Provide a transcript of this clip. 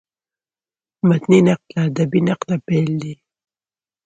متني نقد له ادبي نقده بېل دﺉ.